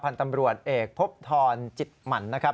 พันธ์ตำรวจเอกพบทรจิตหมั่นนะครับ